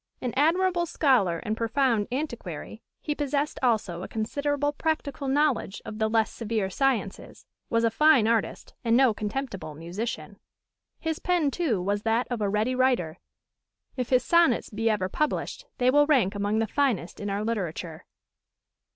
An admirable scholar and profound antiquary, he possessed also a considerable practical knowledge of the less severe sciences, was a fine artist, and no contemptible musician. His pen, too, was that of a ready writer; if his sonnets be ever published, they will rank among the finest in our literature.